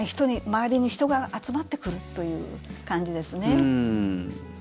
周りに人が集まってくるという感じですね。